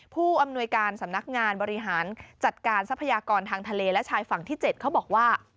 ผู้อำนวยการสำนักงานบริหารจัดการทรัพยากรทางทะเลและชายฝั่งที่๗เขาบอกว่า